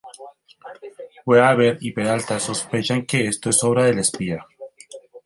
Weaver y Peralta sospechan que esto es obra del espía.